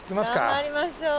頑張りましょう。